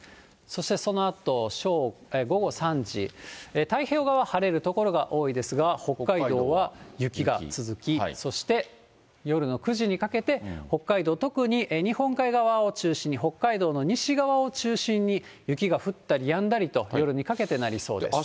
そしてそのあと午後３時、太平洋側、晴れる所が多いですが、北海道は雪が続き、そして夜の９時にかけて、北海道、特に日本海側を中心に北海道の西側を中心に雪が降ったりやんだりと、夜にかけてなりそうです。